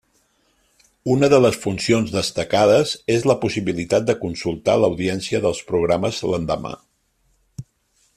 Una de les funcions destacades és la possibilitat de consultar l'audiència dels programes l'endemà.